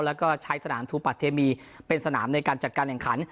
แล้วก็ใช้สนามทูปะเทมีเป็นสนามในการจัดการแข่งขัน